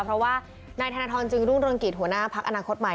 เพราะว่านายธนทรจึงรุ่งเรืองกิจหัวหน้าพักอนาคตใหม่